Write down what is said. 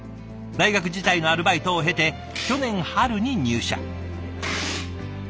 大学時代のアルバイトを経て去年春に入社。